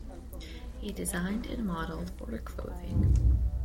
He designed and modeled for the clothing.